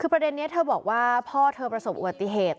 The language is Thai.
คือประเด็นนี้เธอบอกว่าพ่อเธอประสบอุบัติเหตุ